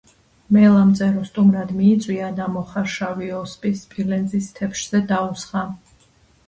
მელამ წერო სტუმრად მიიწვია და მოხარშავი ოსპი სპილენძის თეფშზე დაუსხა